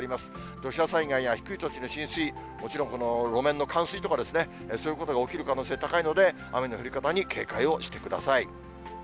土砂災害や低い土地の浸水、もちろん、路面の冠水とか、そういうことが起きる可能性高いので、雨の降り方に警戒をしてください。